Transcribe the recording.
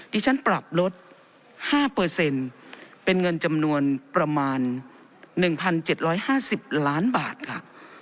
ดิฉันปรับลดห้าเปอร์เซ็นต์เป็นเงินจำนวนประมาณหนึ่งพันเจ็ดร้อยห้าสิบล้านบาทค่ะ